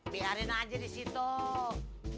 biarin aja di situ